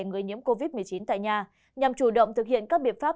người nhiễm covid một mươi chín tại nhà nhằm chủ động thực hiện các biện pháp